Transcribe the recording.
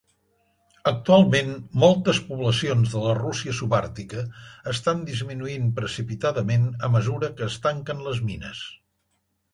Actualment, moltes poblacions de la Rússia subàrtica estan disminuint precipitadament a mesura que es tanquen les mines.